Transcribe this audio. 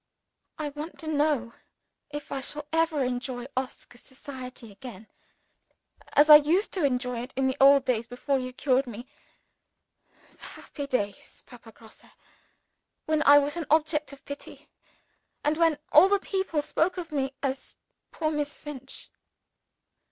I want to know if I shall ever enjoy Oscar's society again, as I used to enjoy it in the old days before you cured me the happy days, Papa Grosse, when I was an object of pity, and when all the people spoke of me as Poor Miss Finch?"